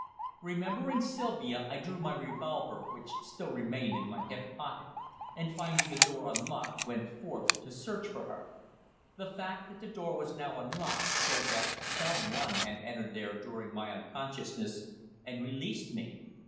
Remembering Sylvia, I drew my revolver, which still remained in my hip pocket, and, finding the door unlocked, went forth to search for her. The fact that the door was now unlocked showed that some one had entered there during my unconsciousness, and released me.